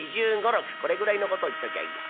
これぐらいのことを言っときゃいいや」。